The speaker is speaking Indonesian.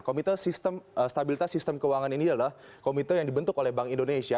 komite sistem stabilitas sistem keuangan ini adalah komite yang dibentuk oleh bank indonesia